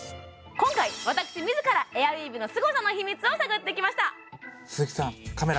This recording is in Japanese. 今回私自らエアウィーヴのすごさの秘密を探ってきました